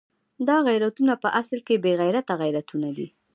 دا غیرتونه په اصل کې بې غیرته غیرتونه دي.